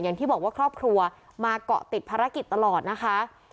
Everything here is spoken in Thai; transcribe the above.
อย่างที่บอกว่าครอบครัวมาเกาะติดภารกิจตลอดนะคะ